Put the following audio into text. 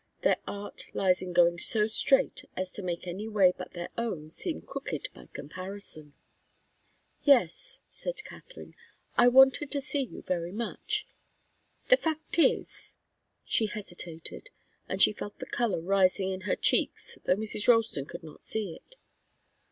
Their art lies in going so straight as to make any way but their own seem crooked by comparison. "Yes," said Katharine, "I wanted to see you very much. The fact is " she hesitated and she felt the colour rising in her cheeks, though Mrs. Ralston could not see it.